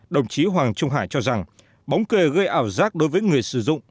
đồng chí hoàng trung hải cho rằng bóng cười gây ảo giác đối với người sử dụng